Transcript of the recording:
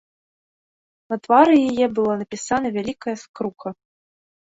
На твары яе была напісана вялікая скруха.